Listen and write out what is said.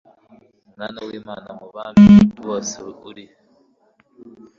mwana w'imana mu bami bose uri